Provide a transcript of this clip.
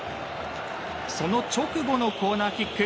その直後のコーナーキック。